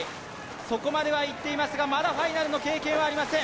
そこまではいっていますがまだファイナルの経験はありません